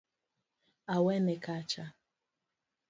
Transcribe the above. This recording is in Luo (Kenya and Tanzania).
Awene kacha